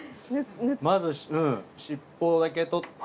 まず尻尾だけ取って。